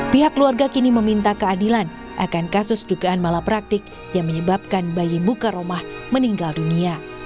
pihak keluarga kini meminta keadilan akan kasus dugaan malapraktik yang menyebabkan bayi muka romah meninggal dunia